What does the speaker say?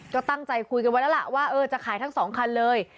ก็ตั้งใจคุยกันไว้แล้วล่ะว่าเออจะขายทั้งสองคันเลย